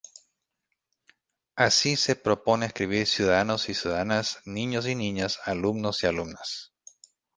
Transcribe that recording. Así, se propone escribir "ciudadanos y ciudadanas", "niños y niñas", "alumnos y alumnas".